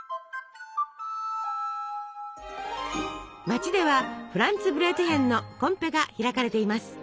街ではフランツブレートヒェンのコンペが開かれています。